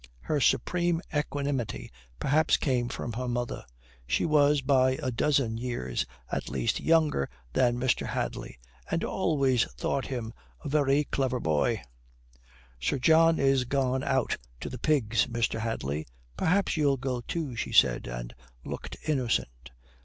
Her supreme equanimity perhaps came from her mother. She was by a dozen years at least younger than Mr. Hadley, and always thought him a very clever boy. "Sir John is gone out to the pigs, Mr. Hadley. Perhaps you'll go too," she said, and looked innocent.